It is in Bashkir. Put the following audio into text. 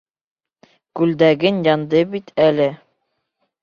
Күлдәгең янды бит әле.